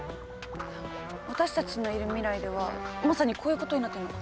私たちのいる未来ではまさにこういうことになってるの。